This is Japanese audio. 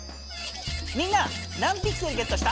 みんな何ピクセルゲットした？